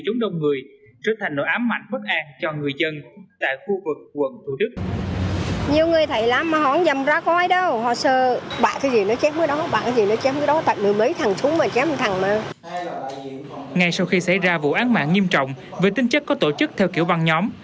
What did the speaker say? ngay sau khi xảy ra vụ án mạng nghiêm trọng về tinh chất có tổ chức theo kiểu băng nhóm